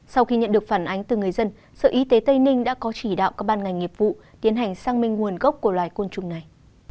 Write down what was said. sau khi nhận được phản ánh từ người dân sở y tế tây ninh đã có chỉ đạo các ban ngành nghiệp vụ tiến hành sang minh nguồn gốc của loài côn trùng này